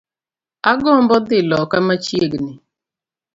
Agombo dhii loka machiegni